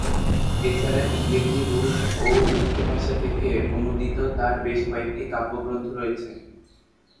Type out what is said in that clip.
এছাড়া ইংরেজি, রুশ ও উর্দু ভাষা থেকে অনূদিত তাঁর বেশ কয়েকটি কাব্যগ্রন্থ রয়েছে।